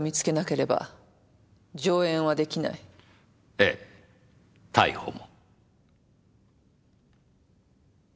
ええ逮捕も。